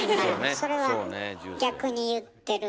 それは逆に言ってるんだけど。